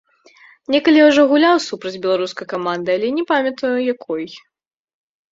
Некалі я ўжо гуляў супраць беларускай каманды, але не памятаю, якой.